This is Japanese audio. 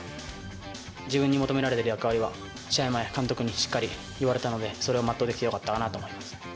自分に求められてる役割は、試合前、監督にしっかり言われたので、それを全うできてよかったかなと思います。